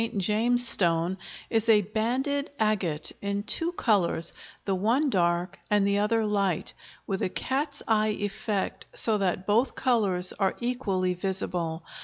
] The St. Sylvester or St. James stone is a banded agate in two colors, the one dark and the other light, with a cat's eye effect so that both colors are equally visible.